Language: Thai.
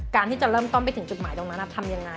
การที่จะเริ่มต้นไปถึงจุดหมายตรงนั้นทำยังไง